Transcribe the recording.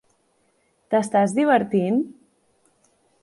T'estàs divertint?